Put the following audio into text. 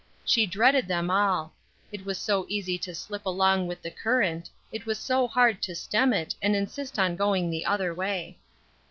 She dreaded them all; it was so easy to slip along with the current; it was so hard to stem it and insist on going the other way.